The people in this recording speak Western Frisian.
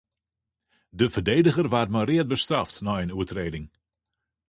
De ferdigener waard mei read bestraft nei in oertrêding.